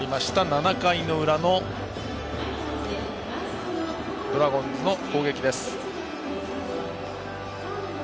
７回の裏のドラゴンズの攻撃です。